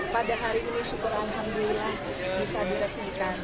pada hari ini syukur alhamdulillah bisa diresmikan